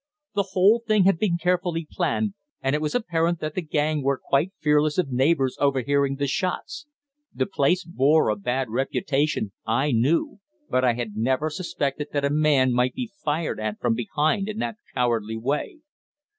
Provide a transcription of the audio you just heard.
The whole thing had been carefully planned, and it was apparent that the gang were quite fearless of neighbours overhearing the shots. The place bore a bad reputation, I knew; but I had never suspected that a man might be fired at from behind in that cowardly way.